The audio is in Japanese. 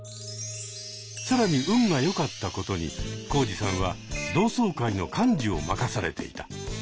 更に運が良かったことにコウジさんは同窓会の幹事を任されていた。